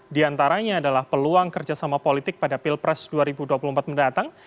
di antaranya adalah peluang kerjasama politik pada pilpres dua ribu dua puluh empat mendatang